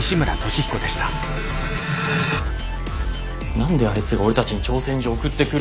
何であいつが俺たちに挑戦状送ってくるんだよ。